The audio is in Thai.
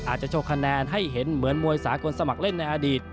อาจจะโชว์คะแนนให้เห็นเหมือนมวยสากลสมัครเล่นในอดีต